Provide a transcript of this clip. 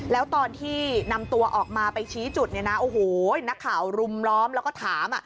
แล้วตอนที่นำตัวออกมาไปชี้จุดเนี่ยนะโอ้โหนักข่าวรุมล้อมแล้วก็ถาม